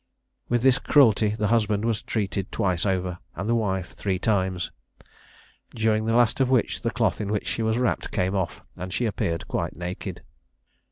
With this cruelty the husband was treated twice over, and the wife three times; during the last of which the cloth in which she was wrapped came off, and she appeared quite naked.